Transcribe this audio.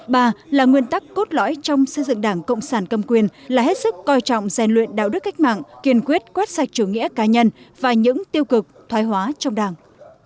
ba là nguyên tắc cốt lõi trong xây dựng đảng cộng sản cầm quyền là hết sức coi trọng rèn luyện đạo đức cách mạng kiên quyết quét sạch chủ nghĩa cá nhân và những tiêu cực thoái hóa trong đảng